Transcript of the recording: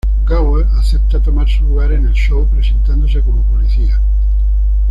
Gower acepta tomar su lugar en el show presentándose como policía.